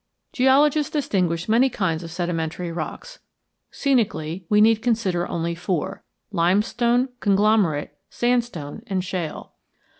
Geologists distinguish many kinds of sedimentary rocks. Scenically, we need consider only four: limestone, conglomerate, sandstone, and shale.